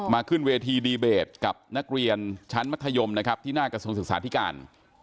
ขึ้นเวทีดีเบตกับนักเรียนชั้นมัธยมนะครับที่หน้ากระทรวงศึกษาธิการ